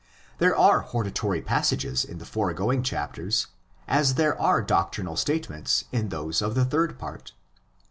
There are hortatory passages in the foregoing chapters, as there are doctrinal statements in those of the third part.